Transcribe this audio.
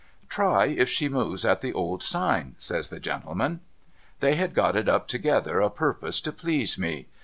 ' Try if she moves at the old sign,' says the gentleman. They had got it up together o' purpose to please me